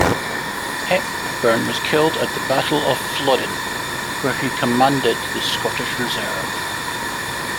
Hepburn was killed at the Battle of Flodden, where he commanded the Scottish reserve.